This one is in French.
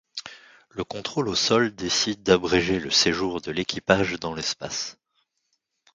Le contrôle au sol décide d'abréger le séjour de l'équipage dans l'espace.